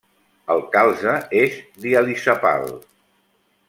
El calze és dialisèpal.